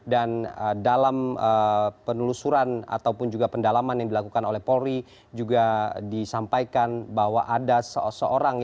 dan dalam penelusuran ataupun juga pendalaman yang dilakukan oleh polri juga disampaikan bahwa ada seorang yang